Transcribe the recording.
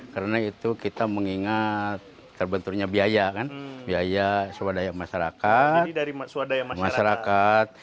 karena itu kita mengingat terbenturnya biaya kan biaya swadaya masyarakat